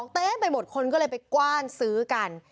เต็มไปหมดคนก็เลยไปกว้านซื้อกัน